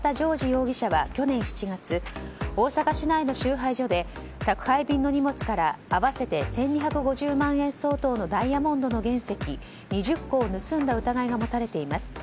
容疑者は去年７月大阪市内の集配所で宅配便の荷物から合わせて１２５０万円相当のダイヤモンドの原石２０個を盗んだ疑いが持たれています。